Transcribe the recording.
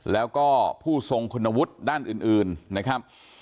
แล้วก็ผู้ทรงคุณวุฒิด้านอื่นนะครับ